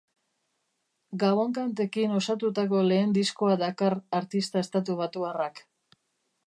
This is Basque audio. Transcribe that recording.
Gabon-kantekin osatutako lehen diskoa dakar artista estatubatuarrak.